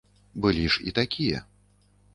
Былі ж і такія.